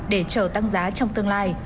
để chờ tăng trưởng